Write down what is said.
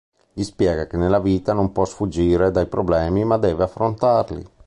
Gli spiega che nella vita non può fuggire dai problemi ma deve affrontarli.